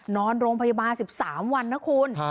นอนโรงพยาบาล๑๓วันนะคุณ